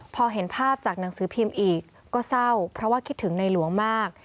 พอเห็นภาพจากหนังสือพิมพ์อีกก็เศร้าเพราะว่าคิดถึงในหลวงมาก